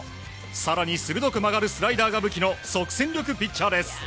更に鋭く曲がるスライダーが武器の即戦力ピッチャーです。